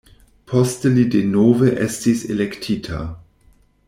Poste li denove estis elektita.